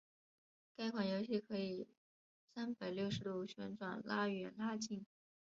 该款游戏可以三百六十度旋转拉远拉近。